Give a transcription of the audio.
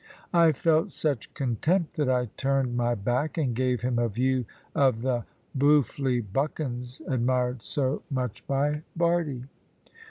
I felt such contempt that I turned my back, and gave him a view of the "boofely buckens" admired so much by Bardie.